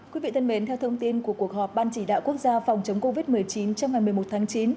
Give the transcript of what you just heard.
quý vị thân mến theo thông tin của cuộc họp ban chỉ đạo quốc gia phòng chống covid một mươi chín trong ngày một mươi một tháng chín